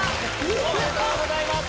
おめでとうございます！